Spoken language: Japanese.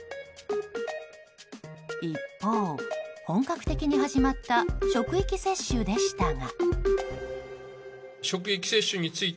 一方、本格的に始まった職域接種でしたが。